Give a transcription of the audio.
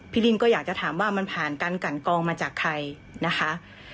ลินก็อยากจะถามว่ามันผ่านการกันกองมาจากใครนะคะ